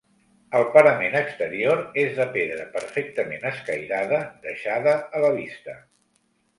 El parament exterior és de pedra perfectament escairada deixada a la vista.